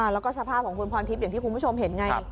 แล้วก็สภาพของคุณพรทิพย์อย่างที่คุณผู้ชมเห็นไง